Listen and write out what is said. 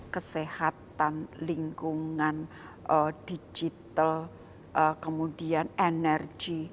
kesehatan lingkungan digital kemudian energi